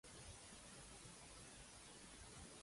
Li agradava a sant Brandan que agafessin l'aigua?